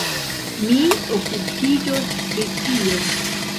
Mi okupiĝos pri tio.